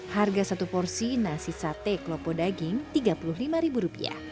harga satu porsi nasi sate klopo daging rp tiga puluh lima